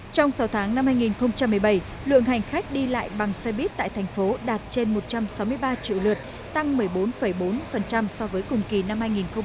trong sáu tháng năm hai nghìn một mươi bảy lượng hành khách đi lại bằng xe buýt tại thành phố đạt trên một trăm sáu mươi ba triệu lượt tăng một mươi bốn bốn so với cùng kỳ năm hai nghìn một mươi tám